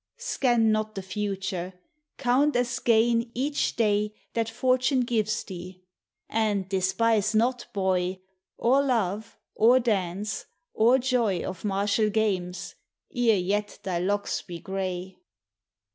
Scan not the future: count as gain each day That Fortune gives thee; and despise not, boy, Or love, or dance, or joy Of martial games, ere yet thy locks be gray.